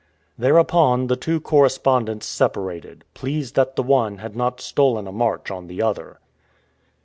Thereupon the two correspondents separated, pleased that the one had not stolen a march on the other.